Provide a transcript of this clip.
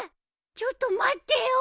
ちょっと待ってよ。